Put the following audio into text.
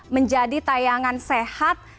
menjadi tayangan sehat